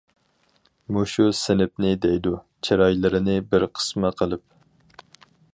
مۇشۇ سىنىپنى!- دەيدۇ چىرايلىرىنى بىر قىسما قىلىپ.